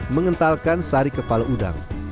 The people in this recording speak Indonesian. mengentalkan sari kepala udang